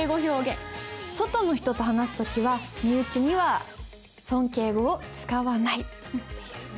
外の人と話す時は身内には尊敬語を使わないっていうね。